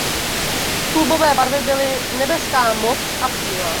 Klubové barvy byly nebeská modř a bílá.